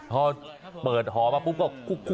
พอเปิดหอมาปุ๊บก็คุก